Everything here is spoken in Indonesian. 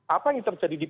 apa yang terjadi di p tiga